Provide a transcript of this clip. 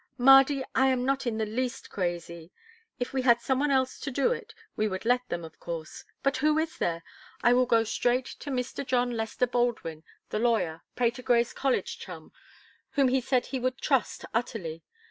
"Mardy, I am not in the least crazy. If we had anyone else to do it, we would let them, of course, but who is there? I will go straight to Mr. John Lester Baldwin, the lawyer, Patergrey's college chum, whom he said he would trust utterly.